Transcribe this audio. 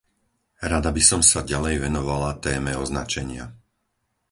Rada by som sa ďalej venovala téme označenia.